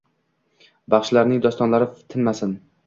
Baxshilarning dostonlari tinmasin